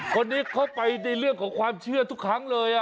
คนนี้เข้าไปในเรื่องของความเชื่อทุกครั้งเลย